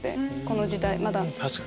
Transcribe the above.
この時代まだ。